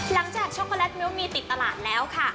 ช็อกโกแลตมิ้วมีติดตลาดแล้วค่ะ